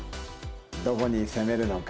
どこに攻めるのか？